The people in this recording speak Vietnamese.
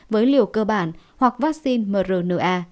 với liều cơ bản hoặc vaccine mrna